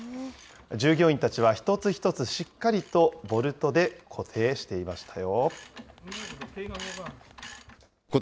従業員たちは一つ一つしっかりとボルトで固定していましたよ。